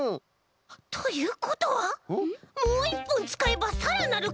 ということはもういっぽんつかえばさらなるかのうせいが！？